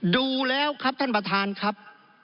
ดูแล้วครับท่านประธานครับ